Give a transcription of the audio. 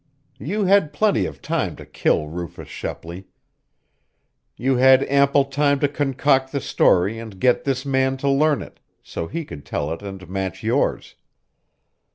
You had plenty of time to kill Rufus Shepley. You had ample time to concoct the story and get this man to learn it, so he could tell it and match yours.